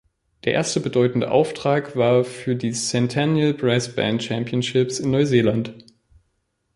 Der erste bedeutende Auftrag war für die "Centennial Brass Band Championships" in Neuseeland.